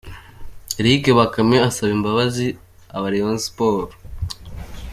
Eric Bakame arasaba imbabazi aba Rayon Sports.